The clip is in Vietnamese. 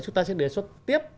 chúng ta sẽ đề xuất tiếp